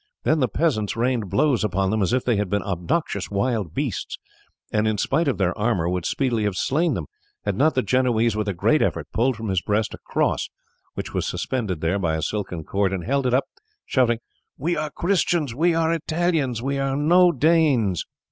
Then the peasants rained blows upon them as if they had been obnoxious wild beasts, and in spite of their armour would speedily have slain them had not the Genoese, with a great effort, pulled from his breast a cross, which was suspended there by a silken cord, and held it up, shouting, "We are Christians, we are Italians, and no Danes."